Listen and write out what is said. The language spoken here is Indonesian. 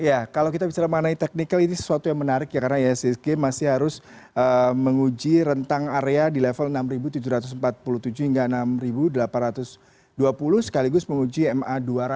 ya kalau kita bicara mengenai technical ini sesuatu yang menarik ya karena ihsg masih harus menguji rentang area di level enam tujuh ratus empat puluh tujuh hingga enam delapan ratus dua puluh sekaligus menguji ma dua ratus